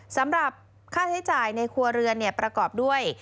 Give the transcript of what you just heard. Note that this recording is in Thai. สำหรับค่าใช้จ่ายในครัวเรือนประกอบด้วย